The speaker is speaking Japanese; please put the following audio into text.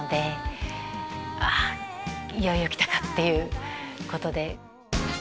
あいよいよ来たか！っていうことで。